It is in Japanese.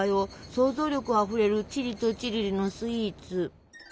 想像力あふれるチリとチリリのスイーツ。